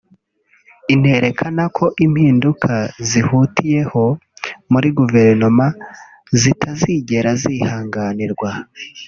inerekana ko impinduka zihutiyeho muri guverinoma zitazigera zihanganirwa